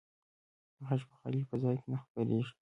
غږ په خالي فضا کې نه خپرېږي.